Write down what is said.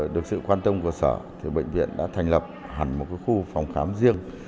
được sự quan tâm của sở thì bệnh viện đã thành lập hẳn một khu phòng khám riêng